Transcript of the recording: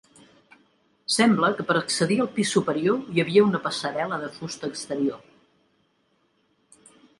Sembla que per accedir al pis superior hi havia una passarel·la de fusta exterior.